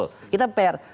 betul kita pair